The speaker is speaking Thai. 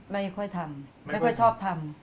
ไม่ค่อยทำไม่ค่อยชอบทำ